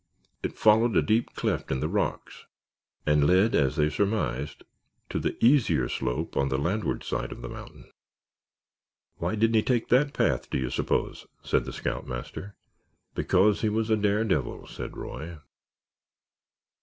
It followed a deep cleft in the rocks and led, as they surmised, to the easier slope on the landward side of the mountain. "Why didn't he take that path, do you suppose?" said the scoutmaster. "Because he was a dare devil," said Roy.